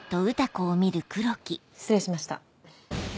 失礼しました。